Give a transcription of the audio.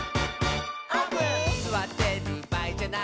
「すわってるばあいじゃない」